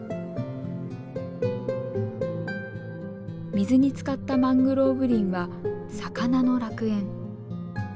水につかったマングローブ林は魚の楽園。